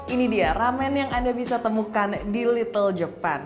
ini dia ramen yang anda bisa temukan di little jepang